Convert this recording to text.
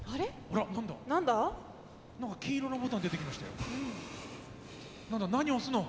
金色のボタン出てきましたよ。